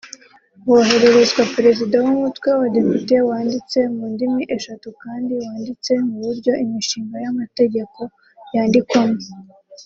wohererezwa Perezida w’umutwe w’Abadepite wanditse mu ndimi eshatu kandi wanditse mu buryo imishinga y’amategeko yandikwamo